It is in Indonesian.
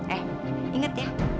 eh inget ya